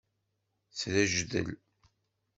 Srejdel.